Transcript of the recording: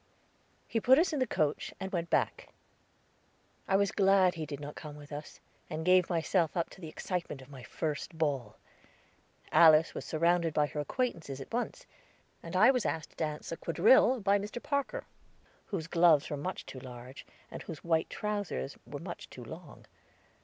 He put us in the coach, and went back. I was glad he did not come with us, and gave myself up to the excitement of my first ball. Alice was surrounded by her acquaintances at once, and I was asked to dance a quadrille by Mr. Parker, whose gloves were much too large, and whose white trowsers were much too long.